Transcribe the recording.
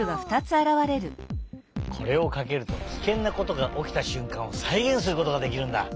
これをかけるとキケンなことがおきたしゅんかんをさいげんすることができるんだ！